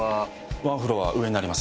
ワンフロア上になります。